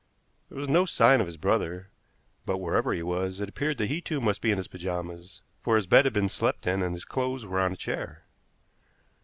There was no sign of his brother, but, wherever he was, it appeared that he too must be in his pajamas, for his bed had been slept in and his clothes were on a chair.